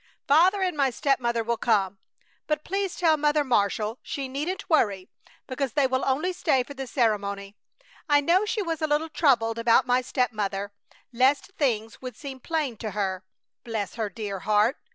Father and my stepmother will come; but please tell Mother Marshall she needn't worry because they will only stay for the ceremony. I know she was a little troubled about my stepmother, lest things would seem plain to her; bless her dear heart!